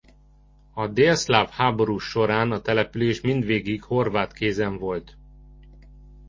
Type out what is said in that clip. A délszláv háború során a település mindvégig horvát kézen volt.